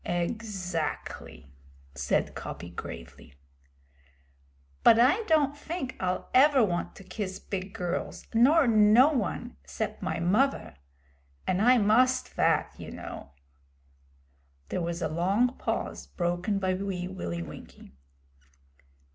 'Exactly,' said Coppy gravely. 'But I don't fink I'll ever want to kiss big girls, nor no one, 'cept my muvver. And I must vat, you know.' There was a long pause, broken by Wee Willie Winkie.